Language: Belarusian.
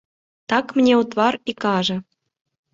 Так мне ў твар і кажа.